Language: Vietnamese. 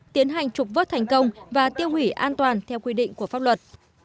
tiến hành trục vớt thành công và tiêu hủy an toàn theo quy định của pháp luật